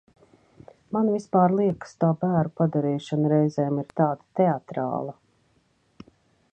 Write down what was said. Man vispār liekas tā bēru padarīšana reizēm ir tāda teatrāla.